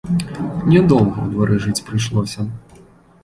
Нядоўга ў двары жыць прыйшлося.